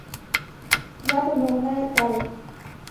Жапым огына эртарыл.